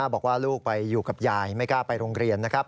บอกว่าลูกไปอยู่กับยายไม่กล้าไปโรงเรียนนะครับ